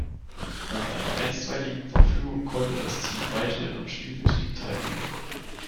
Nach einer einstweiligen Verfügung konnte das Team weiterhin am Spielbetrieb teilnehmen.